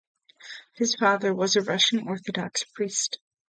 His father was a Russian Orthodox priest.